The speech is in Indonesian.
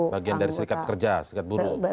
bagian dari serikat pekerja serikat buruh